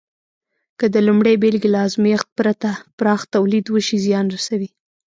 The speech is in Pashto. که د لومړۍ بېلګې له ازمېښت پرته پراخ تولید وشي، زیان رسوي.